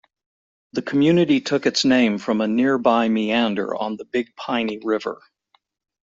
The community took its name from a nearby meander on the Big Piney River.